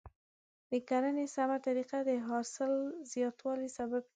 د کرنې سمه طریقه د حاصل زیاتوالي سبب کیږي.